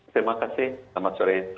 terima kasih sama sore